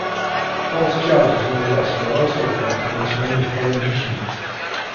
False charges and arrests were also brought against many foreign missionaries.